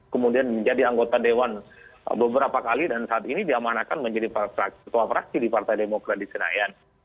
kemudian menjadi anggota dewan beberapa kali dan saat ini diamanakan menjadi ketua fraksi di partai demokrat di senayan